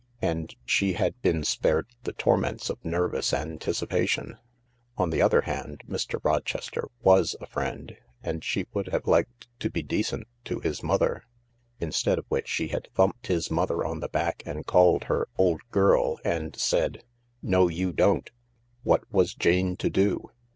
And she had been spared the tor ments of nervous anticipation. On the other hand, Mr. Rochester was a friend, and she would have liked to be decent to his mother. Instead of which she had thumped his mother on the back and called her "old girl," and said, "No, you don't !" What was Jane to do